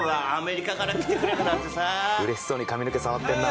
うれしそうに髪の毛触ってんな。